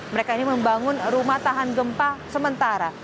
mereka ini membangun rumah tahan gempa sementara